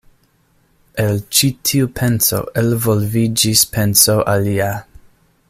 El ĉi tiu penso elvolviĝis penso alia.